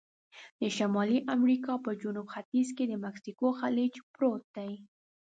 د شمالي امریکا په جنوب ختیځ کې د مکسیکو خلیج پروت دی.